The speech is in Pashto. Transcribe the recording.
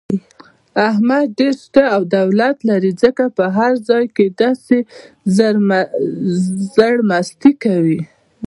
احمد ډېر شته او دولت لري، ځکه په هر ځای کې داسې زرمستي کوي.